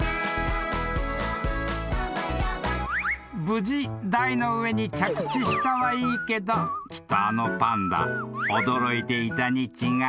［無事台の上に着地したはいいけどきっとあのパンダ驚いていたに違いない］